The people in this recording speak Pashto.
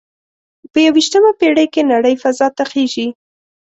په یوویشتمه پیړۍ کې نړۍ فضا ته خیږي